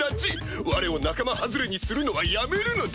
われを仲間外れにするのはやめるのだ！